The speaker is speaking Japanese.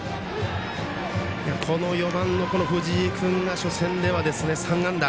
４番の藤井君が初戦では３安打。